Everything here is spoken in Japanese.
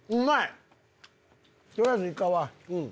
とりあえずイカは。